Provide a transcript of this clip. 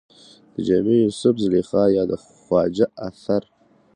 د جامي يوسف زلېخا يا د خواجه اثر